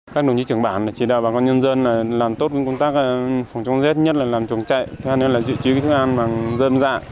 phòng chống dết nhất là làm chuồng trại thêm nữa là dự trí thức ăn bằng dơm dạ